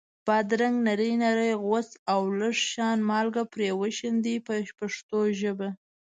بادرنګ نري نري غوڅ او لږ شان مالګه پرې شیندئ په پښتو ژبه.